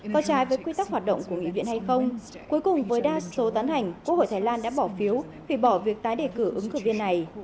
có trái với quy tắc hoạt động của nghị viện hay không cuối cùng với đa số tán hành quốc hội thái lan đã bỏ phiếu hủy bỏ việc tái đề cử ứng cử viên này